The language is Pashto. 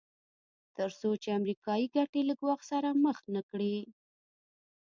تر څو چې امریکایي ګټې له ګواښ سره مخ نه کړي.